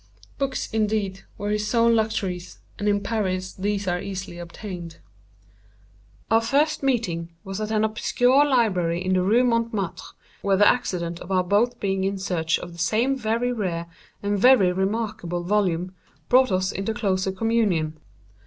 Books, indeed, were his sole luxuries, and in Paris these are easily obtained. Our first meeting was at an obscure library in the Rue Montmartre, where the accident of our both being in search of the same very rare and very remarkable volume, brought us into closer communion.